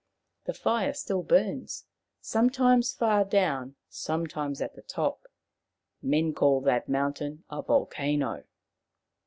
The fire still burns, sometimes far down, some times at the top. Men call that mountain a volcano.